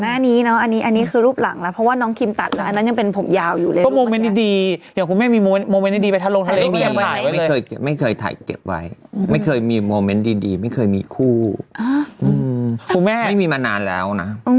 ได้หลายใบเลยแล้ว